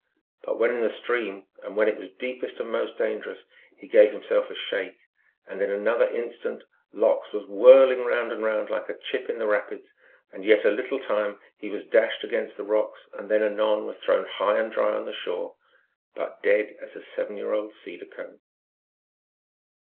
But when in the stream, and where it was deepest and most dangerous, he gave himself a shake, and in another instant Lox was whirling round and round like a chip in the rapids. And yet a little time he was dashed against the rocks, and then anon was thrown high and dry on the shore, but dead as a seven year old cedar cone.